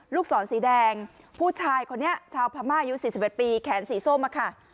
ลูกศรสีแดงผู้ชายคนนี้ชาวพม่าอายุ๔๑ปีแขนสีส้มค่ะ